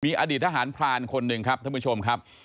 อดีตทหารพรานคนหนึ่งครับท่านผู้ชมครับ